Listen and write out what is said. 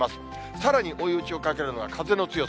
さらに追い打ちをかけるのが風の強さ。